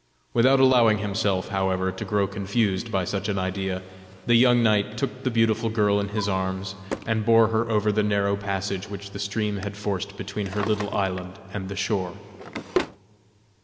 Without allowing himself, however, to grow confused by such an idea the young knight took the beautiful girl in his arms, and bore her over the narrow passage which the stream had forced between her little island and the shore.